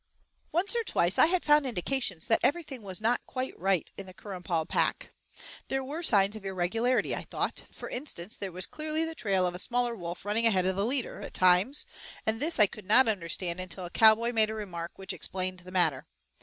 III Once or twice, I had found indications that everything was not quite right in the Currumpaw pack. There were signs of irregularity, I thought; for instance there was clearly the trail of a smaller wolf running ahead of the leader, at times, and this I could not understand until a cowboy made a remark which explained the matter.